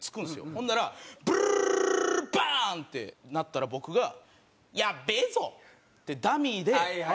ほんならブルルルルバーン！ってなったら僕が「やっべぇぞ！」ってダミーで。